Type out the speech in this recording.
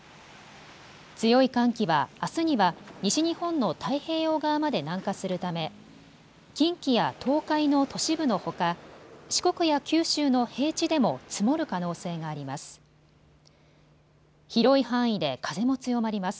強い寒気は、あすには西日本の太平洋側まで南下するため近畿や東海の都市部のほか、四国や九州の平地でも積もる可能性があります。